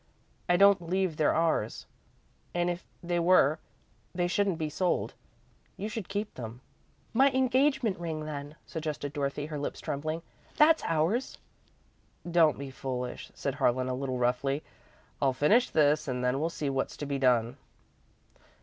I don't believe they're ours, and if they were, they shouldn't be sold. You should keep them." "My engagement ring, then," suggested Dorothy, her lips trembling. "That's ours." "Don't be foolish," said Harlan, a little roughly. "I'll finish this and then we'll see what's to be done."